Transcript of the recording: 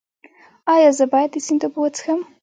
ایا زه باید د سیند اوبه وڅښم؟